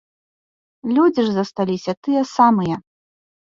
Людзі ж засталіся тыя самыя!